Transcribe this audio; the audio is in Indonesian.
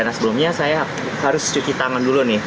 nah sebelumnya saya harus cuci tangan dulu nih